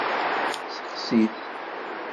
Sexsi-t.